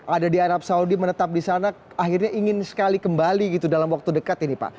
ada di arab saudi menetap di sana akhirnya ingin sekali kembali gitu dalam waktu dekat ini pak